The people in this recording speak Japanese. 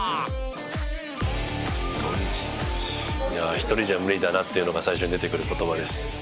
１人じゃ無理だなっていうのが最初に出てくる言葉です。